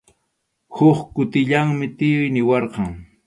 Huk kutillanmi tiyuy niwarqan.